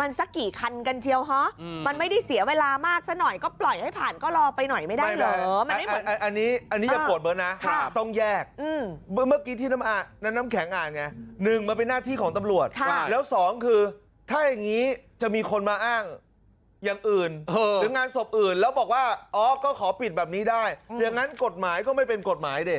มันสักกี่คันกันเชียวฮะมันไม่ได้เสียเวลามากสักหน่อยก็ปล่อยให้ผ่านก็รอไปหน่อยไม่ได้เหรอเมื่อกี้ที่น้ำแข็งอ่านไงหนึ่งมันเป็นหน้าที่ของตำรวจแล้วสองคือถ้าอย่างนี้จะมีคนมาอ้างอย่างอื่นหรืองานศพอื่นแล้วบอกว่าอ๋อก็ขอปิดแบบนี้ได้อย่างนั้นกฎหมายก็ไม่เป็นกฎหมายดิ